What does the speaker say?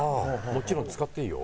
もちろん使っていいよ。